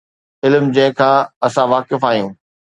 علم جنهن کان اسان واقف آهيون.